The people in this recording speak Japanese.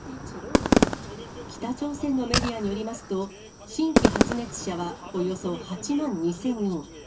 北朝鮮のメディアによりますと、新規発熱者はおよそ８万２０００人。